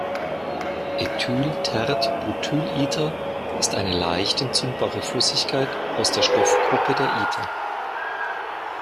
Ethyl-"tert"-butylether ist eine leicht entzündbare Flüssigkeit aus der Stoffgruppe der Ether.